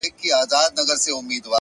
اراده د ستونزو د ماتولو لومړی ځواک دی,